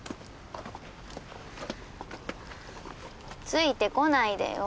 ついてこないでよ。